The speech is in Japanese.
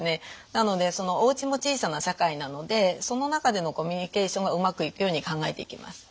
なのでそのおうちも小さな社会なのでその中でのコミュニケーションがうまくいくように考えていきます。